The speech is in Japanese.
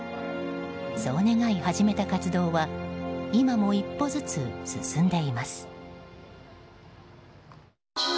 そう願い、始めた活動は今も一歩ずつ進んでいます。